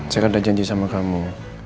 saya kan udah janji sama kamu